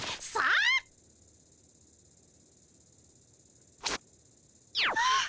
あっ。